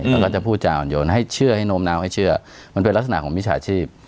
แล้วก็จะพูดจาอ่อนโยนให้เชื่อให้โน้มน้าวให้เชื่อมันเป็นลักษณะของมิจฉาชีพ